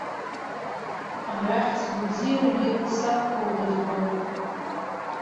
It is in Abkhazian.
Арахь сгәабзиарагьы сақәгәыӷуа избом.